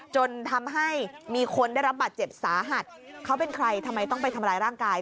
จนทำให้มีคนได้รับบาดเจ็บสาหัสเขาเป็นใครทำไมต้องไปทำร้ายร่างกาย